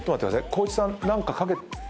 光一さん何か掛け。